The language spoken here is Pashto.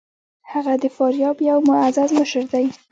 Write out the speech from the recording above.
هغه د فاریاب یو معزز مشر دی.